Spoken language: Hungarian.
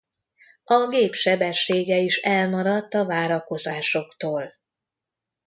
A gép sebessége is elmaradt a várakozásoktól.